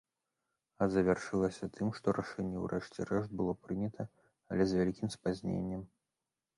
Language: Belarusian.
А завяршылася тым, што рашэнне ў рэшце рэшт было прынята, але з вялікім спазненнем.